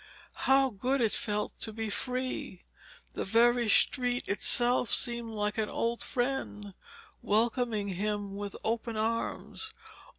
How good it felt to be free! The very street itself seemed like an old friend, welcoming him with open arms.